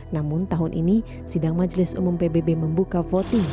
namun tahun ini sidang majelis umum pbb membuka voting